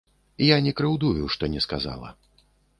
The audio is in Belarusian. Я не крыўдую, што не сказала.